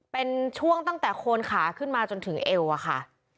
เป็นช่วงตั้งแต่โคนขาขึ้นมาจนถึงเอวอะค่ะ